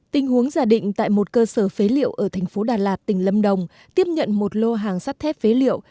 tình huống giả định tại một cơ sở phế liệu ở thành phố đà lạt tỉnh lâm đồng tiếp nhận một lô hàng sắt thép phế liệu